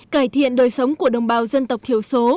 cải thiện đời sống của đồng bào dân tộc thiểu số